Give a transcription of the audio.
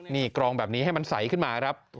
นี่กรองแบบนี้ให้มันใสขึ้นมาครับ